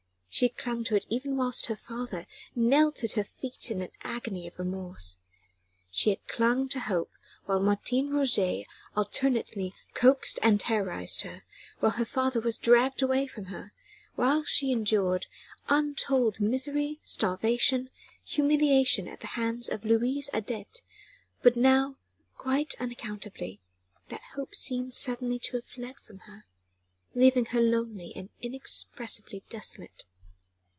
She had clung to it even whilst her father knelt at her feet in an agony of remorse. She had clung to hope while Martin Roget alternately coaxed and terrorised her, while her father was dragged away from her, while she endured untold misery, starvation, humiliation at the hands of Louise Adet: but now quite unaccountably that hope seemed suddenly to have fled from her, leaving her lonely and inexpressibly desolate.